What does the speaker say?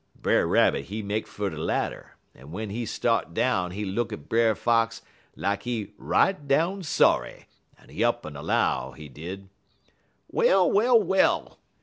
"Brer Rabbit, he make fer de ladder, en w'en he start down, he look at Brer Fox lak he right down sorry, en he up'n 'low, he did: "'Well, well, well!